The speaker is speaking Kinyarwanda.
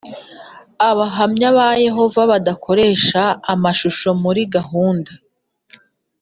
Abahamya ba Yehova badakoresha amashusho muri gahunda